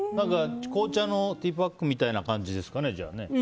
紅茶のティーパックみたいな感じですかね。